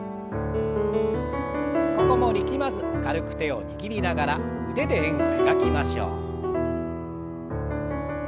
ここも力まず軽く手を握りながら腕で円を描きましょう。